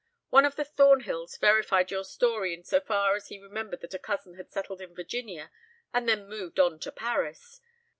One of the Thornhills verified your story in so far as he remembered that a cousin had settled in Virginia and then moved on to Paris.